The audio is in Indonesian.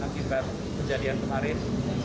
akibat kejadian kemarin